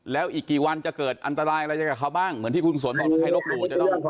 แล้วอีกกี่วันจะเกิดอันตรายอะไรกับเขาบ้างเหมือนที่คุณกุศลบอกให้ลบหลู่